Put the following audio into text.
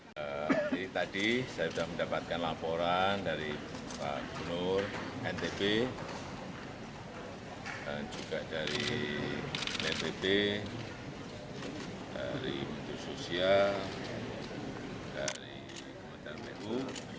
jadi tadi saya sudah mendapatkan laporan dari pak gunur ntp dan juga dari ntp dari menteri sosial dari kementerian pu